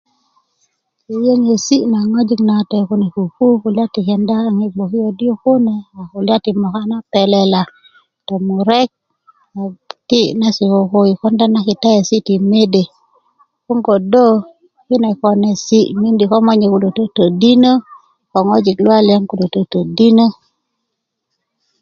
yöyöŋesi' naŋ ŋwajik nawate kune pupu kaaŋ yi gbokiyot yu kune a kulya ti moka na pelela tomurek a tiki nase koko yi konda na kiteesi' ti mede 'boŋ kodo kine konesi' mindi komonye kulo tötödinö ko ŋwajik luwaliyan kulo tötödinö